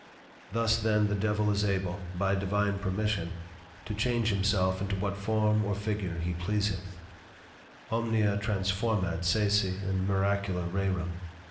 Thus then the Devil is able (by Divine Permission) to Change himself into what form or figure he pleaseth, _Omnia transformat sese in miracula rerum.